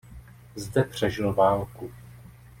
Zde přežil válku.